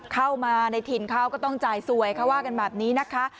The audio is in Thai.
เข้ามาในถิ่นเขาก็ต้องจ่ายสวยเขาว่ากันแบบนี้นะคะ